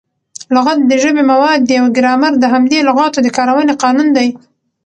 لغت د ژبي مواد دي او ګرامر د همدې لغاتو د کاروني قانون دئ.